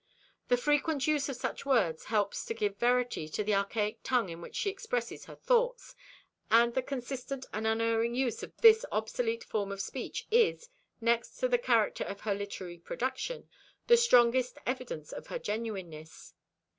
The frequent use of such words helps to give verity to the archaic tongue in which she expresses her thoughts, and the consistent and unerring use of this obsolete form of speech is, next to the character of her literary production, the strongest evidence of her genuineness.